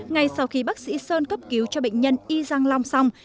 ngay sau khi bác sĩ sơn cấp cứu cho bệnh nhân y giang long xong